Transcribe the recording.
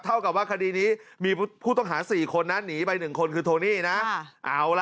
เท่ากับว่าคดีนี้มีผู้ต้องหา๔คนนะหนีไปหนึ่งคนคือโทนี่นะเอาล่ะ